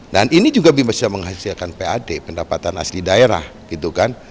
dan ini juga bisa menghasilkan pad pendapatan asli daerah gitu kan